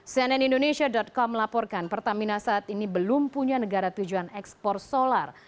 cnn indonesia com melaporkan pertamina saat ini belum punya negara tujuan ekspor solar